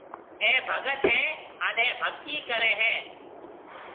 اَي ڀگت هيَ هانَ اَي ڀگتِي ڪريَ هيَ۔